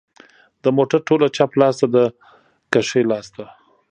د موټر توله چپ لاس ته ده که ښي لاس ته